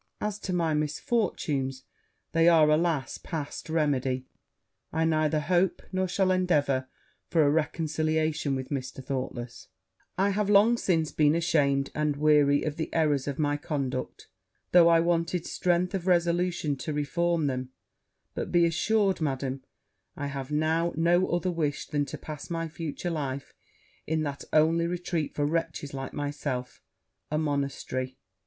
As to my misfortunes, they are, alas! past remedy; I neither hope, nor shall endeavour, for a reconciliation with Mr. Thoughtless; I have long since been ashamed and weary of the errors of my conduct, though I wanted strength of resolution to reform them: but be assured, Madam, I have now no other wish than to pass my future life in that only retreat for wretches like myself a monastery.'